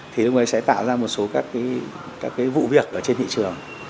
thì lúc đấy sẽ tạo ra một số các cái vụ việc ở trên thị trường